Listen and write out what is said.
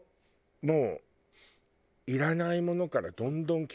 もう。